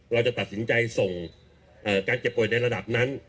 เราจะตัดสินใจส่งการเจ็บป่วยในระดับนั้น